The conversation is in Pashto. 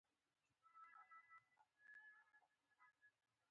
دوی دې د نقشې په مرسته د پاڅون ځایونه وښیي.